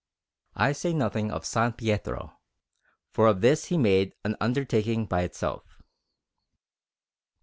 I say nothing of S. Pietro, for of this he made an undertaking by itself.